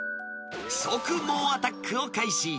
即猛アタックを開始。